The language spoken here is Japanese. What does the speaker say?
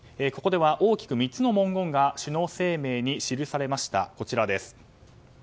ここでは、大きく３つの文言が首脳声明に記されました。